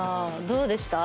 どうでした？